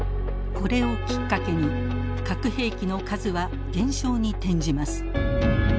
これをきっかけに核兵器の数は減少に転じます。